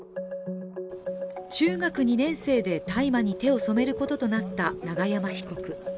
中学２年生で大麻に手を染めることとなった永山被告。